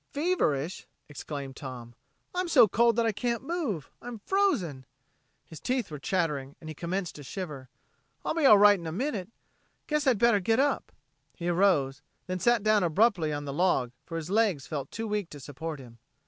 "Feverish!" exclaimed Tom. "I'm so cold that I can't move. I'm frozen!" His teeth were chattering, and he commenced to shiver. "I'll be all right in a minute. Guess I'd better get up." He arose, then sat down abruptly on the log, for his legs felt too weak to support him.